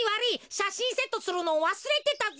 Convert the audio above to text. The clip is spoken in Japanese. しゃしんセットするのわすれてたぜ。